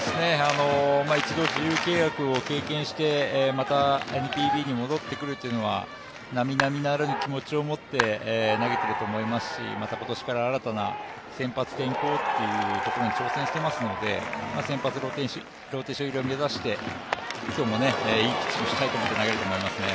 一度自由契約を経験して、またＮＰＢに戻ってくると言うのは並々ならぬ気持ちを持って投げていると思いますし、また今年から新たな、先発転向というところにも挑戦してますので先発ローテーション入りを目指して今日もいいピッチングしたいと思って投げると思いますね。